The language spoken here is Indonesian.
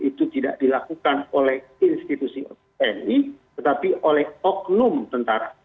itu tidak dilakukan oleh institusi tni tetapi oleh oknum tentara